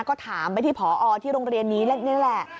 ก็ถามไปที่ผอที่โรงเรียนนี้นี่แหละ